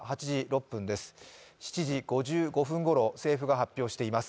７時５５分ごろ政府が発表しています